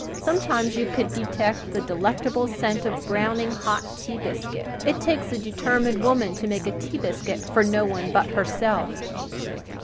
Sometimes you could detect the delectable scent of browning hot tea biscuit. It takes a brave, courageous, determined woman to make tea biscuit for no one but herself.